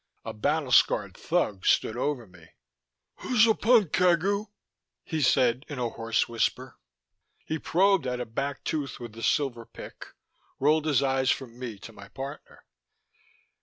A battle scarred thug stood over me. "Who'sa punk, Cagu?" he said in a hoarse whisper. He probed at a back tooth with a silver pick, rolled his eyes from me to my partner.